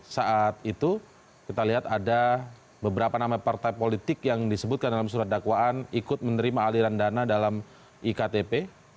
saat itu kita lihat ada beberapa nama partai politik yang disebutkan dalam surat dakwaan ikut menerima aliran dana dalam iktp